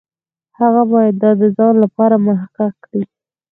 هغه باید دا د ځان لپاره محقق کړي.